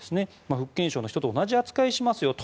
福建省の人と同じ扱いをしますよと。